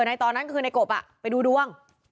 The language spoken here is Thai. ในตอนนั้นคือในกบไปดูดวง